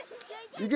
行け！